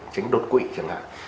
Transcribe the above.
tránh đột quỵ chẳng hạn